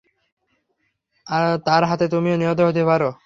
তার হাতে তুমিও নিহত হতে পার।